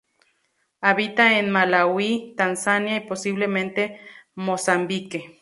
Habita en Malaui, Tanzania y posiblemente Mozambique.